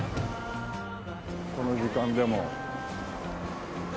この時間でも。